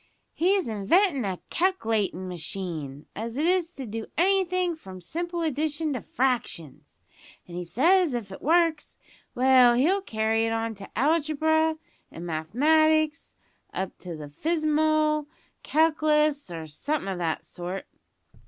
"He's inventin' a calc'latin' machine, as is to do anythin' from simple addition to fractions, an' he says if it works well he'll carry it on to algebra an' mathematics, up to the fizmal calc'lus, or somethin' o' that sort.